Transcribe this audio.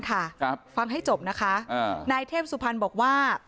ครับฟังให้จบนะคะอ่านายเทพสุพรรณบอกว่า